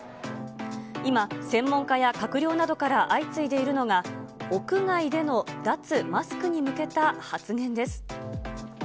今、専門家や閣僚などから相次いでいるのが、屋外での脱マスクに向けた発言です。